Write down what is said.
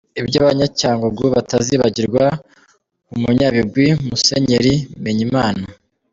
Ibyo Abanya-Cyangugu batazibagirwa ku munyabigwi Musenyeri Bimenyimana .